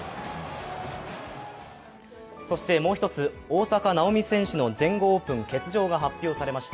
そしてもう１つ、大坂なおみ選手の全豪オープン欠場が発表されました。